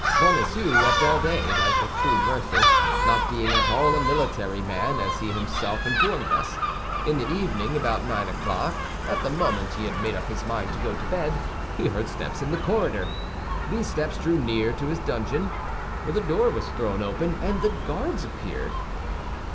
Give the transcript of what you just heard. Bonacieux wept all day, like a true mercer, not being at all a military man, as he himself informed us. In the evening, about nine o'clock, at the moment he had made up his mind to go to bed, he heard steps in his corridor. These steps drew near to his dungeon, the door was thrown open, and the guards appeared.